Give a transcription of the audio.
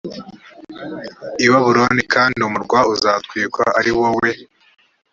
i babuloni kandi uyu murwa uzatwikwa ari wowe